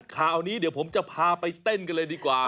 ข่าวนี้เดี๋ยวผมจะพาไปเต้นกันเลยดีกว่า